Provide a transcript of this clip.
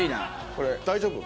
これ大丈夫？